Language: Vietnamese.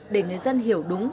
để người dân hiểu đúng